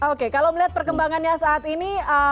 oke kalau melihat perkembangannya saat ini